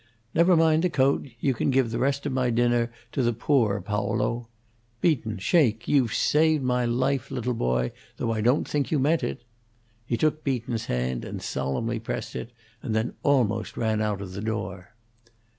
"Never mind the coat; you can give the rest of my dinner to the poor, Paolo. Beaton, shake! You've saved my life, little boy, though I don't think you meant it." He took Beaton's hand and solemnly pressed it, and then almost ran out of the door.